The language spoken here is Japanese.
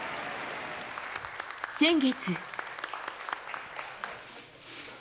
先月。